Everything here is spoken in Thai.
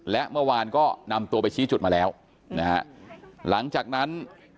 และเมื่อวานก็นำตัวไปชี้จุดมาแล้วนะฮะหลังจากนั้น